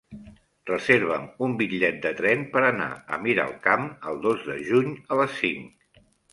Reserva'm un bitllet de tren per anar a Miralcamp el dos de juny a les cinc.